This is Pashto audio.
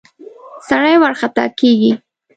سړی ورخطا کېږي.